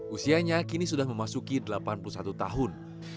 usianya kini sudah memasuki delapan puluh satu tahun